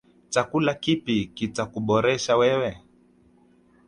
Chakula kipi kita kuboresha wewe.